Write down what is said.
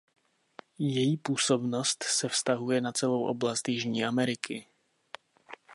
Její působnost se vztahuje na celou oblast Jižní Ameriky.